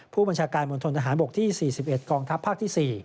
ผู้บัญชาการมณฑนทหารบกที่๔๑กองทัพภาคที่๔